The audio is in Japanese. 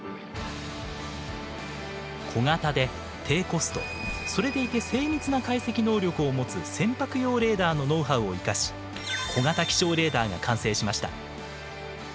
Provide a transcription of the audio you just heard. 小型で低コストそれでいて精密な解析能力を持つ船舶用レーダーのノウハウを生かし小型気象レーダーが完成しました。